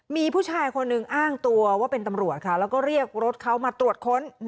มีผู้ชายคนหนึ่งอ้างตัวว่าเป็นตำรวจค่ะแล้วก็เรียกรถเขามาตรวจค้น